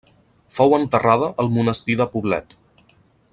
Fou enterrada al monestir de Poblet.